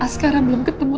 sekarang belum ketemu